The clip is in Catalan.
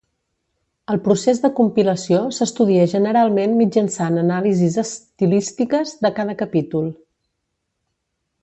El procés de compilació s'estudia generalment mitjançant anàlisis estilístiques de cada capítol.